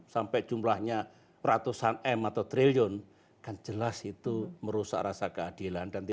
sampai jumlahnya ratusan m atau triliun kan jelas itu merusak rasa keadilan